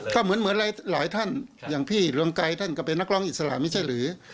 ก็เหมือนหลายท่านอย่างพี่เรืองไกรท่านก็เป็นนักร้องอิสระไม่ใช่หรือ